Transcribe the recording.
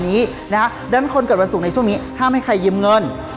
ดังนั้นคนเกิดวันศุกร์ในช่วงนี้ห้ามให้ใครยืมเงิน